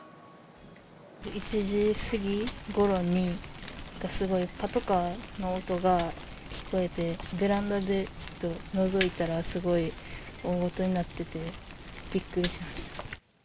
１時過ぎごろに、すごいパトカーの音が聞こえて、ベランダでちょっとのぞいたら、すごい大ごとになってて、びっくりしました。